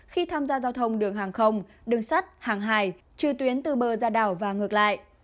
khi tham gia giao thông đường hàng không đường sắt hàng hải trừ tuyến từ bờ ra đảo và ngược lại